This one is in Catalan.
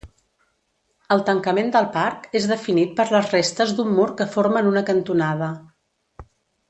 El tancament del parc és definit per les restes d'un mur que formen una cantonada.